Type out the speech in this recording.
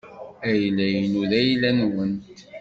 Ayla-inu d ayla-nwent.